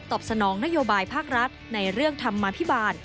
สนองนโยบายภาครัฐในเรื่องธรรมภิบาล